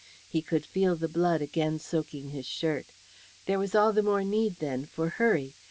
He could feel the blood again soaking his shirt. There was all the more need, then, for hurry.